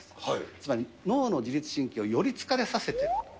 つまり脳の自律神経をより疲れさせている。